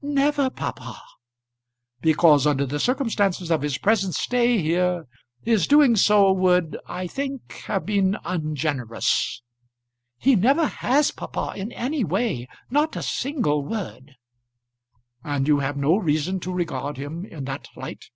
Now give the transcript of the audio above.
"Never, papa." "Because under the circumstances of his present stay here, his doing so would, I think, have been ungenerous." "He never has, papa, in any way not a single word." "And you have no reason to regard him in that light."